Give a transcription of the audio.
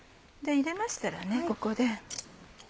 入れましたらここで。